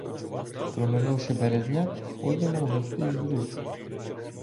Проминувши березняк, входимо в густий зруб.